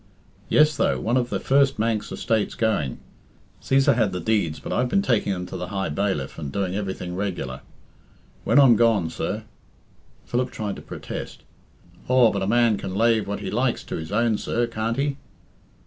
"Yes, though, one of the first Manx estates going. Cæsar had the deeds, but I've been taking them to the High Bailiff, and doing everything regular. When I'm gone, sir " Philip tried to protest. "Aw, but a man can lave what he likes to his own, sir, can't he?"